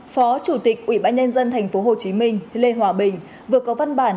phó chủ tịch ủy ban nhân dân tp hcm lê hòa bình vừa có văn bản